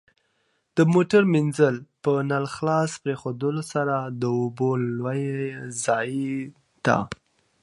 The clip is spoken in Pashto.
د موټر مینځل په نل خلاص پرېښودلو سره د اوبو لوی ضایع ده.